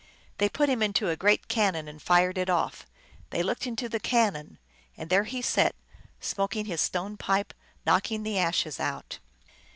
They put him into a great cannon and fired it off. They looked into the cannon, and there he sat smoking his stone pipe, knocking the ashes out.